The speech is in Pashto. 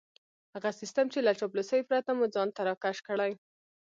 هغه سيستم چې له چاپلوسۍ پرته مو ځان ته راکش کړي.